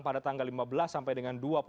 pada tanggal lima belas sampai dengan